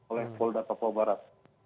oleh polda papua barat